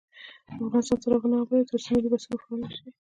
افغانستان تر هغو نه ابادیږي، ترڅو ملي بسونه فعال نشي.